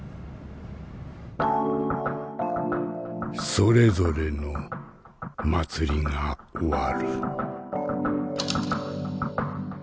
それぞれの祭りが終わる。